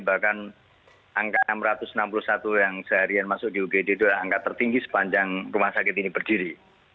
bahkan angka enam ratus enam puluh satu yang seharian masuk di ugd itu adalah angka tertinggi sepanjang rumah sakit ini berdiri